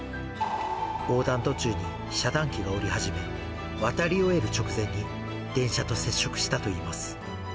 横断途中に遮断機が下り始め、渡り終える直前に、電車と接触したといいます。